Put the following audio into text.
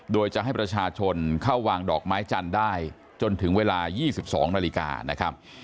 โดยจะให้ประชาชนเข้าวางดอกไม้จันทร์ได้จนถึงเวลา๒๒นาฬิกานะครับ